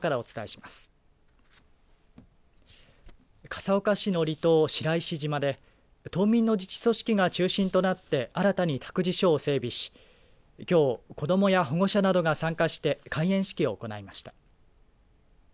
笠岡市の離島、白石島で島民の自治組織が中心となって新たに託児所を整備し、きょう子どもや保護者などが参加して開園式を行いました。